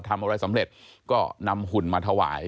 ทำอะไรสำเร็จก็นำหุ่นมาถวาย